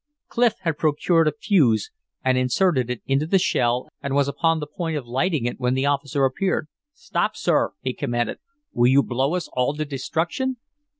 Clif had procured a fuse and inserted it into the shell and was upon the point of lighting it when the officer appeared. "Stop, sir!" he commanded. "Would you blow us all to destruction?"